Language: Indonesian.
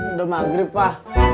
udah maghrib pak